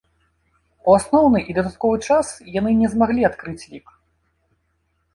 У асноўны і дадатковы час яны не змаглі адкрыць лік.